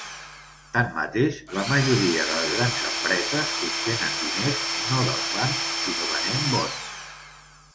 Tanmateix, la majoria de les grans empreses obtenen diners no dels bancs, sinó venent bons.